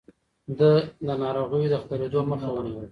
ده د ناروغيو د خپرېدو مخه ونيوله.